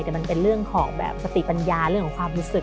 แต่มันเป็นเรื่องของแบบสติปัญญาเรื่องของความรู้สึก